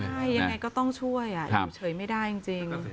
ใช่ยังไงก็ต้องช่วยอยู่เฉยไม่ได้จริง